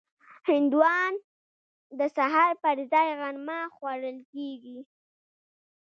هندوانه د سهار پر ځای غرمه خوړل کېږي.